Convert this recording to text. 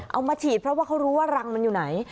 เอามาฉีดเพราะว่าเขารู้ว่ารังมันอยู่ไหน